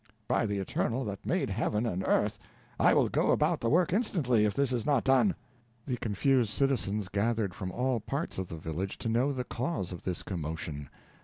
"By the Eternal that made Heaven and earth! I will go about the work instantly, if this is not done!" The confused citizens gathered from all parts of the village, to know the cause of this commotion.